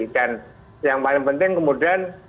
dan yang paling penting kemudian